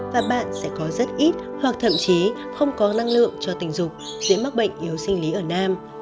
và bạn sẽ có rất ít hoặc thậm chí không có năng lượng cho tình dục dễ mắc bệnh yếu sinh lý ở nam